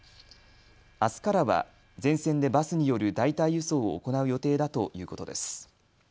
あすからは全線でバスによる代替輸送を行う予定だということです。